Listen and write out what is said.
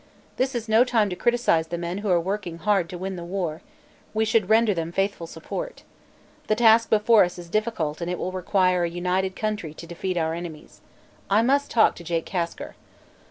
This is no time to criticise the men who are working hard to win the war; we should render them faithful support. The task before us is difficult and it will require a united country to defeat our enemies. I must talk to Jake Kasker."